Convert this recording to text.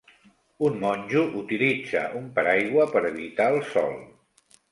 Un monjo utilitza un paraigua per evitar el sol.